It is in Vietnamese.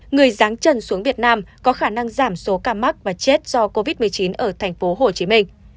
người ráng trần xuống việt nam có khả năng giảm số ca mắc và chết do covid một mươi chín ở tp hcm